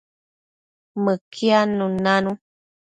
Mëquiadnun nanu